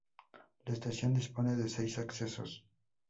La estación dispone de seis accesos.